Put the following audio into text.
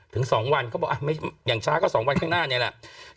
ถึง๒วันเขาบอกอย่างช้าก็๒วันข้างหน้านี่แหละ